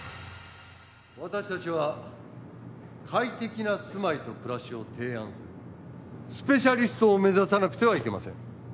私たちは快適な住まいと暮らしを提案するスペシャリストを目指さなくてはいけません。